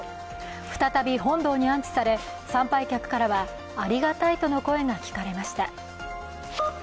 再び本堂に安置され、参拝客からはありがたいとの声が聞かれました。